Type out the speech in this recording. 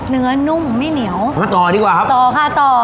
นุ่มไม่เหนียวมาต่อดีกว่าครับต่อค่ะต่อ